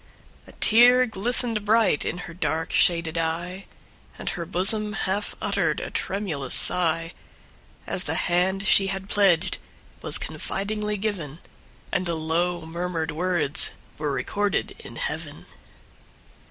A tear glistened bright in her dark shaded eye, And her bosom half uttered a tremulous sigh, As the hand she had pledged was confidingly given, And the low murmured words were recorded in heaven.